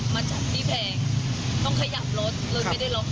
มาจากที่แพงต้องขยับรถรถไม่ได้ล็อก